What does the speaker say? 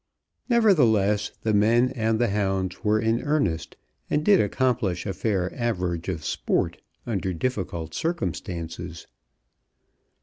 Nevertheless, the men and the hounds were in earnest, and did accomplish a fair average of sport under difficult circumstances.